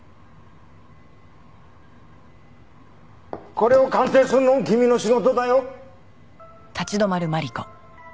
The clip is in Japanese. これを鑑定するのも君の仕事だよ。